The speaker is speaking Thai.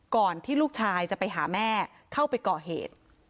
ก่อนที่ลูกชายจะไปหาแม่เข้าไปก่อเหตุ